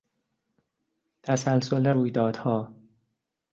تسلسل رویدادها